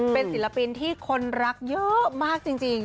เป็นศิลปินที่คนรักเยอะมากจริง